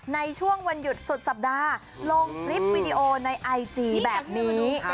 ในช่วงวันหยุดสุดสัปดาห์ลงคลิปวิดีโอในไอจีแบบนี้